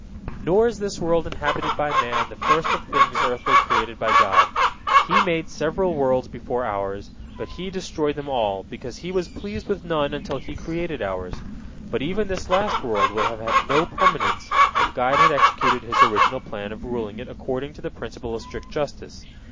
Nor is this world inhabited by man the first of things earthly created by God. He made several worlds before ours, but He destroyed them all, because He was pleased with none until He created ours. But even this last world would have had no permanence, if God had executed His original plan of ruling it according to the principle of strict justice.